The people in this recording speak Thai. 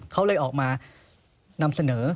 เขาเลยออกมานำเสนอ